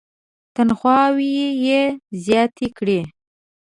تنخواوې یې زیاتې کړې.